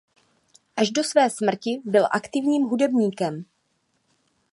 Až do své smrti byl aktivním hudebníkem.